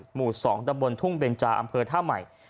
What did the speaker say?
หมู่๒ตำบลทุ่งเบนจาอำเภอท่าใหม่